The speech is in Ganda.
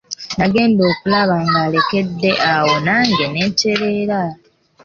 Nagenda okulaba ng'alekedde awo nange ne ntereera.